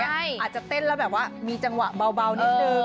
แต่นานนี้อาจเต้นเรามีจังหวะเบานิดนึง